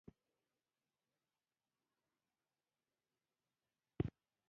هر یو نامعلومه راتلونکې وېرولی دی